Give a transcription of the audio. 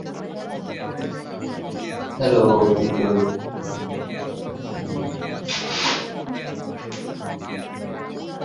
কামরূপ অনুসন্ধান সমিতি অঞ্চলটিতে ছড়িয়ে থাকা বহু ঐতিহাসিক সম্পদ আহরণ করে নিজে সংগ্রহ করেছিল।